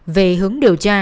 về hướng đường của nạn nhân